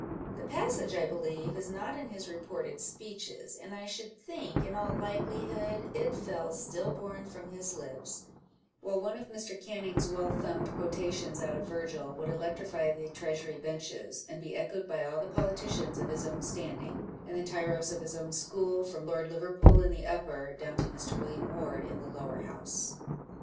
The passage, I believe, is not in his reported speeches ; and I should think, in all likeli hood, it " fell still born " from his lips ; while one of Mr. Canning's well thumbed quotations out of Virgil would electrify the Treasury Benches, and be echoed by all the politicians of his own standing, and the tyros of his own school, from Lord Liverpool in the Upper down to Mr. William Ward in the Lower House.